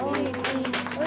oh ini baru saja